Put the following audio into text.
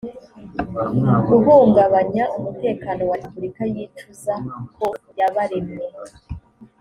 guhungabanya umutekano wa repubulika yicuza ko yabaremye